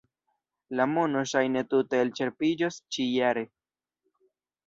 La mono ŝajne tute elĉerpiĝos ĉi-jare.